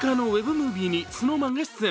ムービーにＳｎｏｗＭａｎが出演。